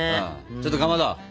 ちょっとかまど。